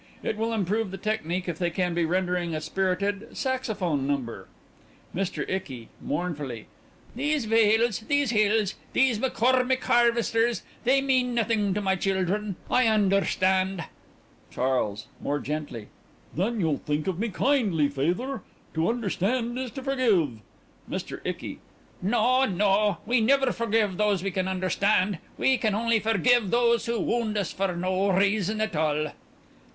It will improve the technique if they can be rendering a spirited saxophone number._) MR. ICKY: (Mournfully) These vales, these hills, these McCormick harvesters they mean nothing to my children. I understand. CHARLES: (More gently) Then you'll think of me kindly, feyther. To understand is to forgive. MR. ICKY: No...no....We never forgive those we can understand....We can only forgive those who wound us for no reason at all....